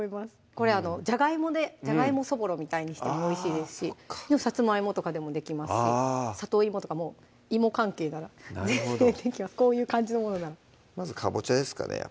これじゃがいもでじゃがいもそぼろみたいにしてもおいしいですしさつまいもとかでもできますし里芋とかもう芋関係ならなるほどこういう感じのものならまずかぼちゃですかね